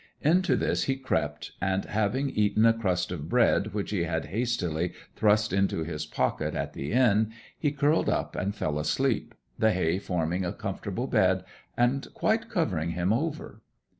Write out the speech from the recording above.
Into this he crept, and, having eaten a crust of bread which he had hastily thrust into his pocket at the inn, he curled up and fell asleep, the hay forming a comfortable bed, and quite covering him over.